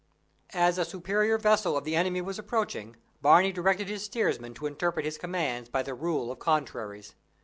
As a superior vessel of the enemy was approaching, Barney directed his steersman to interpret his commands by the rule of contraries.